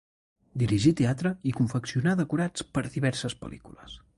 Dirigí teatre i confeccionà decorats per a diverses pel·lícules.